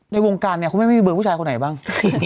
ในวงการเนี่ยคุณแม่ไม่มีเบอร์ผู้ชายคนไหนบ้าง